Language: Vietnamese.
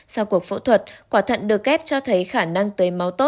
sau cuộc phẫu thuật quả thận được ghép cho thấy khả năng tếm